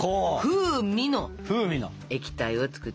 風味の液体を作っていきます！